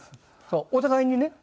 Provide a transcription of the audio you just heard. そうお互いにね。